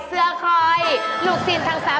รูกศีนทั้งสาม